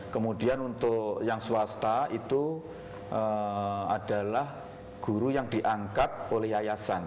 kemudian untuk yang swasta itu adalah guru yang diangkat oleh yayasan